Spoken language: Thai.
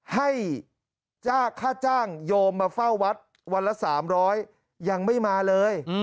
ให้ค่าจ้างโยมมาเฝ้าวัดวันละ๓๐๐ยังไม่มาเลย